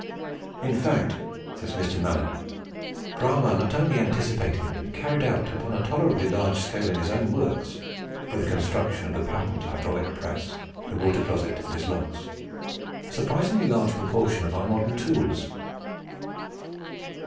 "In fact," says Mr. Mallet, "Bramah not only anticipated, but carried out upon a tolerably large scale in his own works for the construction of the patent hydraulic press, the water closet, and his locks a surprisingly large proportion of our modern tools."